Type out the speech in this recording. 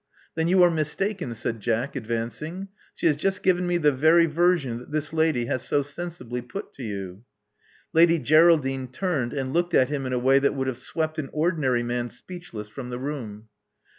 Then you are mistaken," said Jack, advancing. She has just given me the very version that this lady has so sensibly put to you." Lady Geraldine turned and looked at him in a way that would have swept an ordinary man speechless from the room.